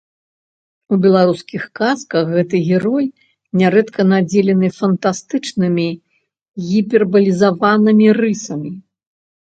У беларускіх казках гэты герой нярэдка надзелены фантастычнымі гіпербалізаванымі рысамі.